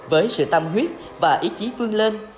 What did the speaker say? với sự tâm huyết và ý chí vương lên